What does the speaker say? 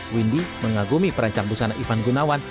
windy mengagumi perancang busana ivan gunawan